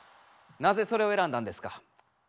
なぜそれをえらんだんですか？